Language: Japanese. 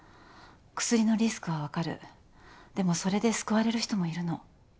薬のリスクはわかるでもそれで救われる人もいるの。